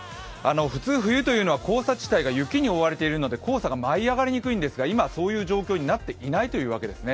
普通、冬というのは黄砂地帯が雪に覆われているので黄砂が舞い上がりにくいんですが今はそういう状況になっていないということですね。